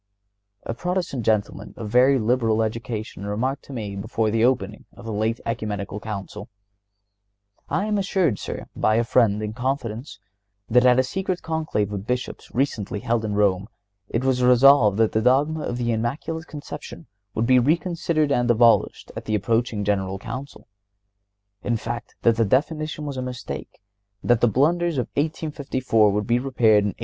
A Protestant gentleman of very liberal education remarked to me, before the opening of the late Ecumenical Council: "I am assured, sir, by a friend, in confidence, that, at a secret Conclave of Bishops recently held in Rome it was resolved that the Dogma of the Immaculate Conception would be reconsidered and abolished at the approaching General Council; in fact, that the definition was a mistake, and that the blunder of 1854 would be repaired in 1869."